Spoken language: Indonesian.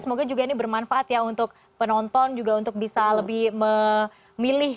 semoga juga ini bermanfaat ya untuk penonton juga untuk bisa lebih memilih